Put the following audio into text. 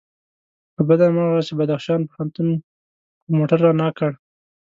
له بده مرغه چې بدخشان پوهنتون کوم موټر رانه کړ.